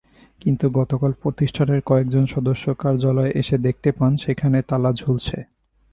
কিন্তু গতকাল প্রতিষ্ঠানের কয়েকজন সদস্য কার্যালয়ে এসে দেখতে পান সেখানে তালা ঝুলছে।